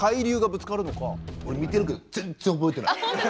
俺見てるけど全然覚えてない。